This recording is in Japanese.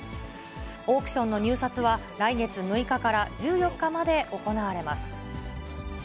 オークションの入札は、来月６日から１４日まで行われます。